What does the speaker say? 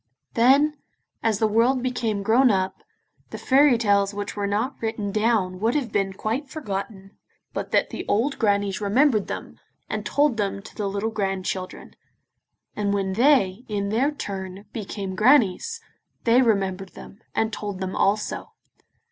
Then, as the world became grown up, the fairy tales which were not written down would have been quite forgotten but that the old grannies remembered them, and told them to the little grandchildren: and when they, in their turn, became grannies, they remembered them, and told them also.